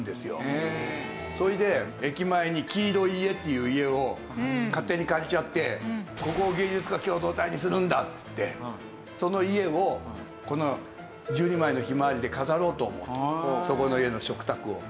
それで駅前に黄色い家っていう家を勝手に借りちゃってここを芸術家共同体にするんだっつってその家をこの１２枚の『ひまわり』で飾ろうと思ったのそこの家の食卓を。